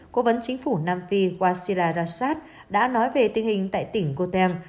cố vấn chính phủ nam phi wasila rashad đã nói về tình hình tại tỉnh cô teng